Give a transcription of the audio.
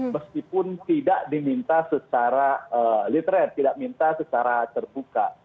meskipun tidak diminta secara literat tidak diminta secara terbuka